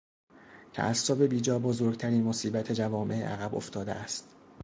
تعصب بیجا بزرگترین مصیبت جوامع عقب افتاده است.